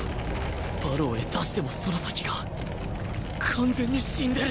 馬狼へ出してもその先が完全に死んでる